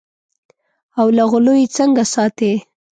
او له غلو یې څنګه ساتې.